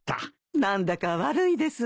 何だか悪いですね。